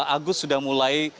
agus sudah mulai